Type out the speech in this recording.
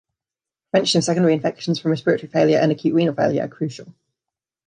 Prevention of secondary infections from respiratory failure and acute renal failure are crucial.